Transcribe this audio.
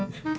ah ini dia